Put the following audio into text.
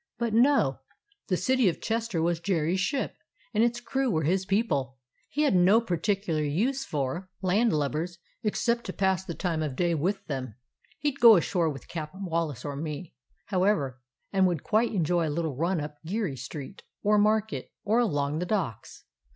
But no ! The City of Cluster was Jerry's ship, and its crew were his people. He had no particular use for 221 DOG HEROES OF MANY LANDS landlubbers, except to pass the time of day with them. He 'd go ashore with Cap'n Wallace or me, however, and would quite enjoy a little run up Geary Street, or Market, or along the docks.